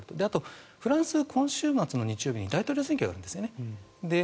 あと、フランスは今週末の日曜日に大統領選挙があるんですね。